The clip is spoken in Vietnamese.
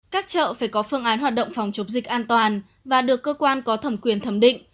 các chợ phải có phương án hoạt động phòng chống dịch an toàn và được cơ quan có thẩm quyền thẩm định